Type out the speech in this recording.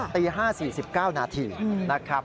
ตี๕๔๙นาทีนะครับ